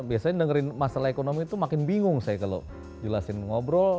biasanya dengerin masalah ekonomi itu makin bingung saya kalau jelasin ngobrol